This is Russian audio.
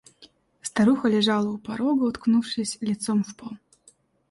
Старуха лежала у порога, уткнувшись лицом в пол.